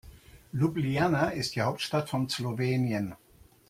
Ljubljana ist die Hauptstadt von Slowenien.